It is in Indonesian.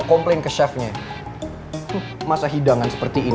kok pait banget sih